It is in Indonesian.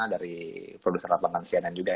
dari produser lapangan sian yang juga